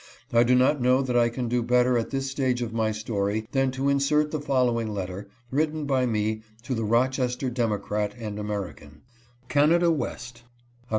I do not know that I can do better at this stage of my story than to in sert the following letter, written by me to the Rochester Democrat and American : Canada West, Oct.